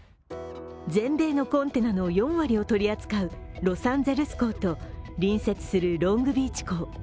全米のコンテナの４割を取り扱うロサンゼルス港と隣接するロングビーチ港。